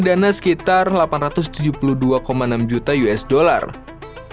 dana sekitar delapan ratus tujuh puluh rupiah tujuh poin usd dilansir dari global child nutrition fondation pendanaan